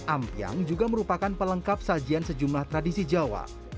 ampiang juga merupakan pelengkap sajian sejumlah tradisi jawa